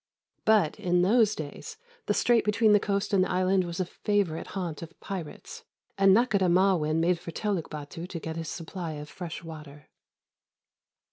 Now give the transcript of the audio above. But, in those days, the strait between the coast and the island was a favourite haunt of pirates, and Nakhôdah Ma'win made for Teluk Bâtu to get his supply of fresh water.